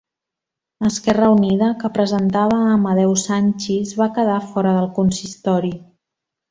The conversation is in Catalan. Esquerra Unida, que presentava a Amadeu Sanchis, va quedar fora del consistori.